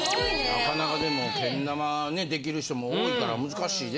なかなかでもけん玉ねできる人も多いから難しいで。